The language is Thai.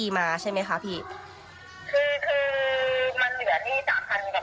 เขาแจ้งให้ทำตามว่าปิดไหมให้เรียบร้อย